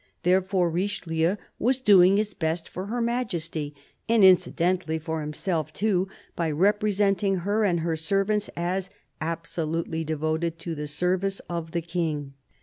Therefore Richelieu was doing his best for Her Majesty — and incidentally for himself too — by representing her and her servants as absolutely devoted to the service of the King.